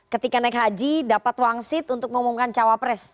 ketika naik haji dapat wangsit untuk ngomongkan cawapres